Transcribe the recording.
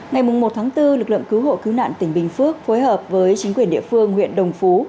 ngày một tháng bốn lực lượng cứu hộ cứu nạn tỉnh bình phước phối hợp với chính quyền địa phương huyện đồng phú